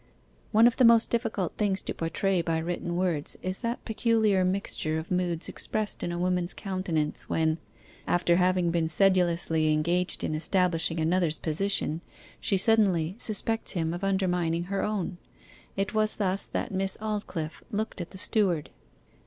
One of the most difficult things to portray by written words is that peculiar mixture of moods expressed in a woman's countenance when, after having been sedulously engaged in establishing another's position, she suddenly suspects him of undermining her own. It was thus that Miss Aldclyffe looked at the steward.